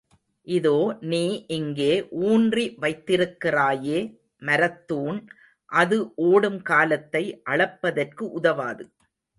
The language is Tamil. இதோ நீ இங்கே ஊன்றி வைத்திருக்கிறாயே, மரத்துண், அது ஓடும் காலத்தை அளப்பதற்கு உதவாது.